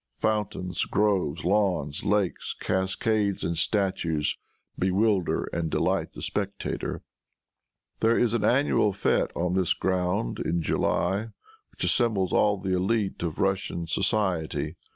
Fountains, groves, lawns, lakes, cascades and statues, bewilder and delight the spectator. There is an annual fête on this ground in July, which assembles all the elite of Russian society.